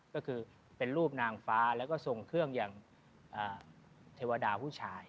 ก็คือเป็นรูปนางฟ้าแล้วก็ทรงเครื่องอย่างเทวดาผู้ชาย